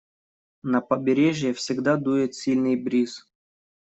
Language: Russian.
На побережье всегда дует сильный бриз.